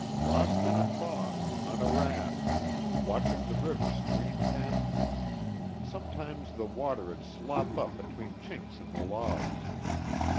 Lost in a fog, on a raft, watching the river stream past me sometimes the water'd slop up between chinks in the logs.